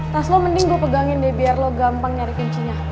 tas lo mending gue pegangin deh biar lo gampang nyari kencinya